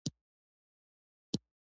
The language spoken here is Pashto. کله ناکله چپتیا تر غږ غوره وي.